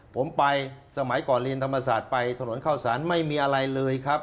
ผมไปสมัยก่อนเรียนธรรมศาสตร์ไปถนนเข้าสารไม่มีอะไรเลยครับ